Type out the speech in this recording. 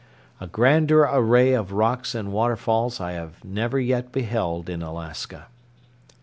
A grander array of rocks and waterfalls I have never yet beheld in Alaska.